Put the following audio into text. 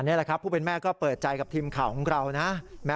นี่แหละครับผู้เป็นแม่ก็เปิดใจกับทีมข่าวของเรานะ